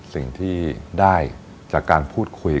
สิ่งที่ได้จากการพูดคุย